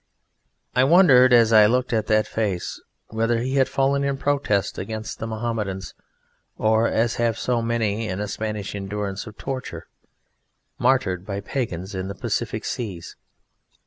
I wondered as I looked at that face whether he had fallen in protest against the Mohammedans, or, as have so many, in a Spanish endurance of torture, martyred by Pagans in the Pacific Seas.